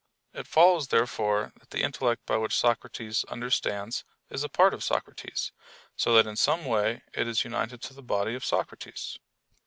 It follows therefore that the intellect by which Socrates understands is a part of Socrates, so that in some way it is united to the body of Socrates.